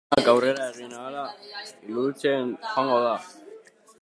Ostiralean, egunak aurrera egin ahala iluntzen joango da.